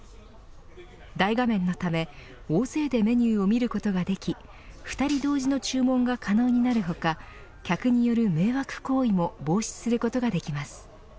大画面のため、大勢でメニューを見ることができ２人同時の注文が可能になる他客による迷惑行為も防止することができます。